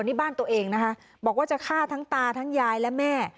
นี่บ้านตัวเองนะคะบอกว่าจะฆ่าทั้งตาทั้งยายและแม่